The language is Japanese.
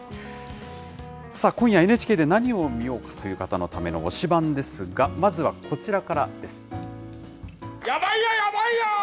今夜ＮＨＫで何を見ようかという方のための推しバンですが、まずはこちらからです。